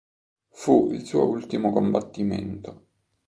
Fu il suo ultimo combattimento.